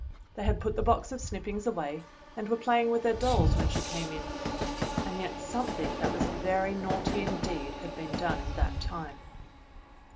They had put the box of snippings away and were playing with their dolls w^hen she came in. And yet something that was very naughty, indeed, had been done in that time.